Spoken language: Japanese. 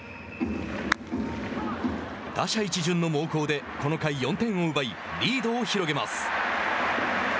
打者一巡の猛攻でこの回４点を奪いリードを広げます。